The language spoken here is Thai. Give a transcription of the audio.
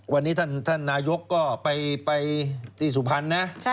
วันนี้ท่านนายกก็ไปที่สุพรรณนะ